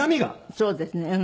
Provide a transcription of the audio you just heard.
そうですね。